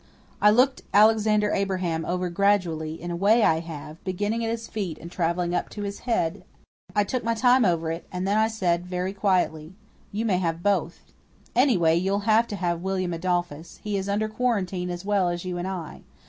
I looked Alexander Abraham over gradually, in a way I have, beginning at his feet and traveling up to his head. I took my time over it; and then I said, very quietly. "You may have both. Anyway, you'll have to have William Adolphus. He is under quarantine as well as you and I.